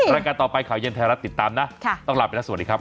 รายการต่อไปข่าวเย็นไทยรัฐติดตามนะต้องลาไปแล้วสวัสดีครับ